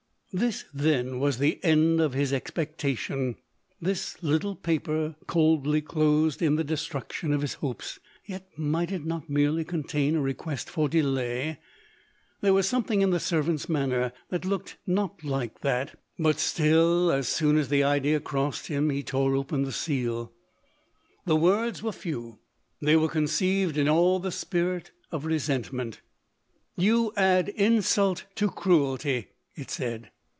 This then was the end of his expectation, this little paper coldly closed in the destruction of his hopes ; yet might it not merely contain a re quest for delay ? There was something in the servant's manner, that looked not like that; but still, as soon as the idea crossed him, he tore open the seal. The words were 192 LODORI. few, they were conceived in all the spirit of re sentment. fc ' You add insult to cruelty," it said.